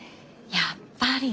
やっぱり。